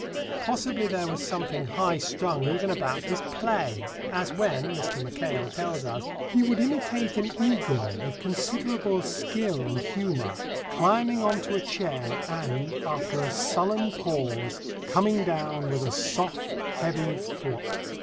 Possibly there was something high strung even about his play, as when, Mr. Mackail tells us, "he would imitate an eagle with considerable skill and humour, climbing on to a chair and, after a sullen pause, coming down with a soft, heavy flop."